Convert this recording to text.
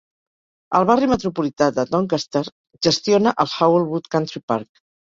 El Barri metropolità de Doncaster gestiona el Howell Wood Country Park.